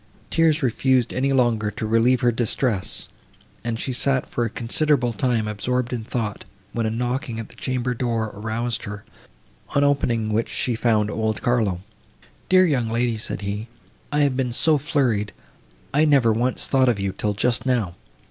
Tears refused any longer to relieve her distress, and she had sat for a considerable time absorbed in thought, when a knocking at the chamber door aroused her, on opening which she found old Carlo. "Dear young lady," said he, "I have been so flurried, I never once thought of you till just now.